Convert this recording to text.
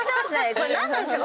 これなんなんですか？